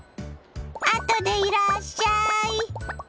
あとでいらっしゃい。